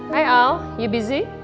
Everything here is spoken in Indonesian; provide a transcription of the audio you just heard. hai al kamu sibuk